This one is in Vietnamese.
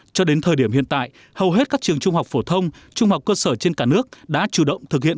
cho đến thời điểm hiện tại hầu hết các trường trung học phổ thông trung học cơ sở trên cả nước đã chủ động thực hiện